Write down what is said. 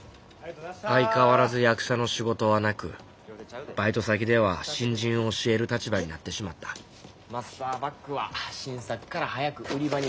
相変わらず役者の仕事はなくバイト先では新人を教える立場になってしまったマスターバックは新作から早く売り場に戻す。